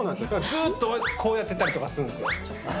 ずーっとこうやってたりとかするんですよ。